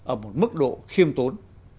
ở một mức độ khiêm tốn